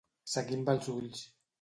Seguir amb els ulls.